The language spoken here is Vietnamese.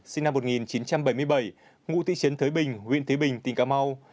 sinh năm một nghìn chín trăm bảy mươi bảy ngụ tỷ trấn thới bình nguyễn thế bình tỉnh cà mau